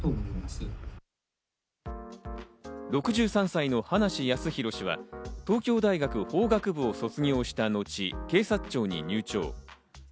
６３歳の葉梨康弘氏は東京大学法学部を卒業した後、警察庁に入庁。